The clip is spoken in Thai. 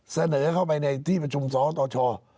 เสนอไปที่ประชุมสตช